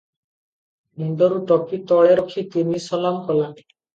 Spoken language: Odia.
ମୁଣ୍ଡରୁ ଟୋପି ତଳେ ରଖି ତିନି ସଲାମ କଲା ।